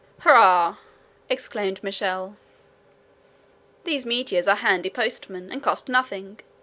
"Hurrah!" exclaimed Michel; "these meteors are handy postmen, and cost nothing.